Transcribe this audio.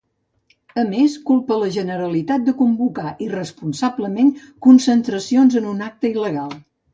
A més, culpa la Generalitat de convocar irresponsablement concentracions en un acte il·legal.